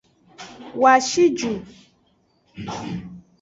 Woa shi ju.